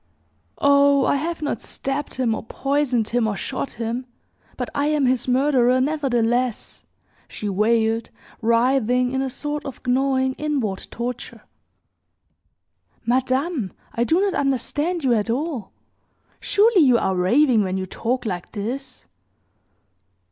"Oh, I have not stabbed him, or poisoned him, or shot him; but I am his murderer, nevertheless!" she wailed, writhing in a sort of gnawing inward torture. "Madame, I do not understand you at all! Surely you are raving when you talk like this."